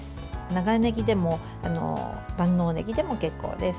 長ねぎでも万能ねぎでも結構です。